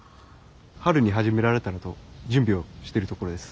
春に始められたらと準備をしてるところです。